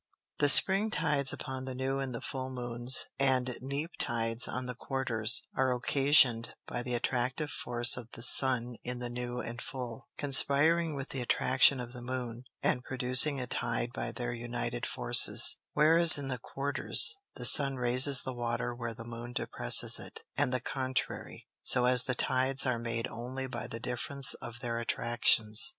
The Spring Tides upon the New and Full Moons, and Neap Tides on the Quarters, are occasion'd by the attractive Force of the Sun in the New and Full, conspiring with the Attraction of the Moon, and producing a Tide by their united Forces: Whereas in the Quarters, the Sun raises the Water where the Moon depresses it, and the contrary; so as the Tides are made only by the difference of their Attractions.